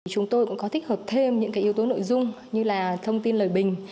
chúng tôi cũng có thích hợp thêm những yếu tố nội dung như là thông tin lời bình